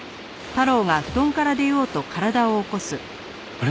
あれ？